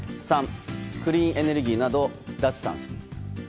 ３、クリーンエネルギーなど脱炭素。